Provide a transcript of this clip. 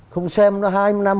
không xem nó hai mươi năm